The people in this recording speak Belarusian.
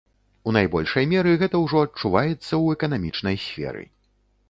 У найбольшай меры гэта ўжо адчуваецца ў эканамічнай сферы.